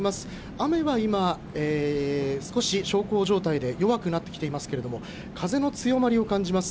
雨は今、少し小康状態で弱くなってきていますけれども風の強まりを感じます。